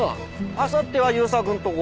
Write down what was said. あさっては勇作んとこ。